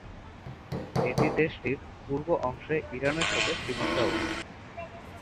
এটি দেশটির পূর্ব অংশে ইরানের সাথে সীমান্তে অবস্থিত।